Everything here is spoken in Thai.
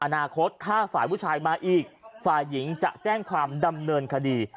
อนาคตถ้าฝ่ายผู้ชายมาอีกฝ่ายหญิงจะแจ้งความดำเนินคดี